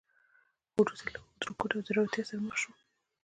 خو وروسته له اوږده رکود او ځوړتیا سره مخ شو.